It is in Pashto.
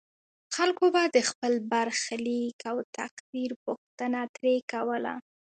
خلکو به د خپل برخلیک او تقدیر پوښتنه ترې کوله.